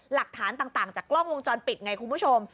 หลักฐานต่างจากกล้องวงจรปิดไงคุณผู้ชม